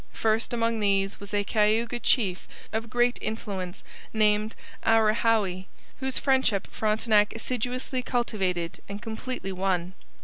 First among these was a Cayuga chief of great influence named Ourehaoue, whose friendship Frontenac assiduously cultivated and completely won.